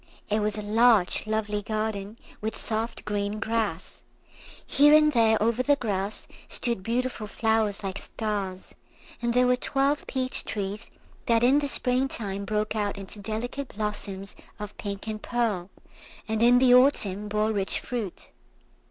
It was a large lovely garden, with soft green grass. Here and there over the grass stood beautiful flowers like stars, and there were twelve peach trees that in the spring time broke out into delicate blossoms of pink and pearl, and in the autumn bore rich fruit.